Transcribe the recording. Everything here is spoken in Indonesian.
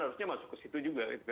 harusnya masuk ke situ juga